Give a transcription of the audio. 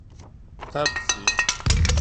طرد شي.